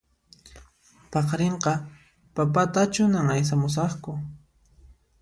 Paqarinqa papatachunan aysamusaqku